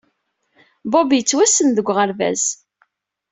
Bob yettwassen deg uɣerbaz.